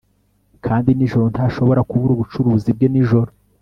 kandi nijoro ntashobora kubura ubucuruzi bwe nijoro